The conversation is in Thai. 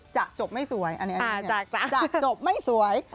จะจบไม่สวยอันนี้จะจบไม่สวย